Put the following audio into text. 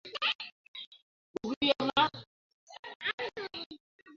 আমার অন্তঃকরণের অভিলাষ এই উপযুক্ত পাত্রের হস্তগতা হও।